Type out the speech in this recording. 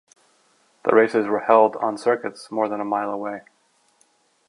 The races were held on circuits more than a mile away.